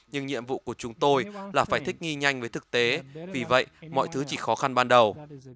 nhưng nhiệm vụ của chúng tôi là phải thích nghi nhanh với thực tế vì vậy mọi thứ chỉ khó khăn ban đầu